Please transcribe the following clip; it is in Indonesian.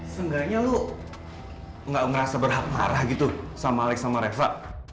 seenggaknya lo gak ngerasa berhaparah gitu sama alex sama reva